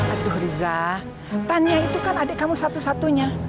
aduh riza tania itu kan adik kamu satu satunya